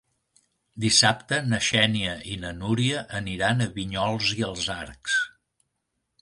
Dissabte na Xènia i na Núria aniran a Vinyols i els Arcs.